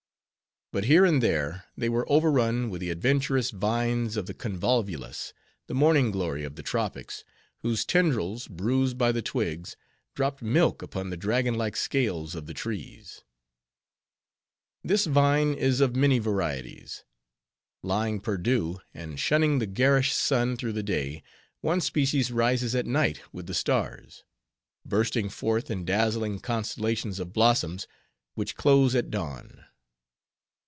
But here and there, they were overrun with the adventurous vines of the Convolvulus, the Morning glory of the Tropics, whose tendrils, bruised by the twigs, dropped milk upon the dragon like scales of the trees. This vine is of many varieties. Lying perdu, and shunning the garish sun through the day, one species rises at night with the stars; bursting forth in dazzling constellations of blossoms, which close at dawn.